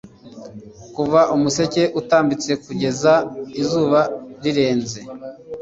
Kuva umuseke utambitse kugeza izuba rirenze